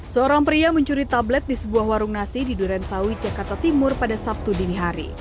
seorang pria mencuri tablet di sebuah warung nasi di durensawi jakarta timur pada sabtu dini hari